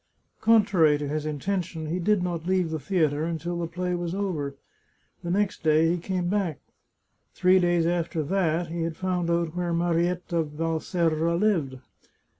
" Contrary to his intention, he did not leave the theatre until the play was over. The next day he came back. 155 The Chartreuse of Parma Three days after that he had found out where Marietta Val serra lived.